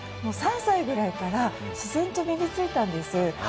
３歳くらいから自然と身についたんです。